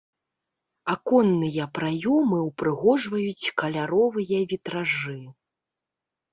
Аконныя праёмы ўпрыгожваюць каляровыя вітражы.